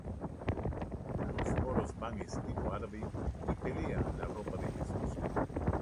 Los moros van estilo árabe y pelean la ropa de Jesus.